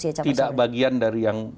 capres kita kan tidak bagian dari yang